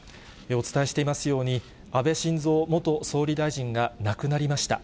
お伝えしていますように、安倍晋三元総理大臣が、亡くなりました。